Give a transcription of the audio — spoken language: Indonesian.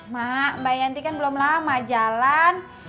mak mbak yanti kan belum lama jalan